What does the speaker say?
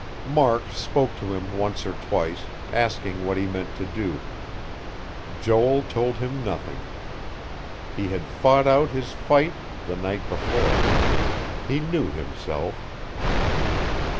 Mark spoke to him once or twice, asking what he meant to do. Joel told him nothing. He had fought out his fight the night before; he knew himself....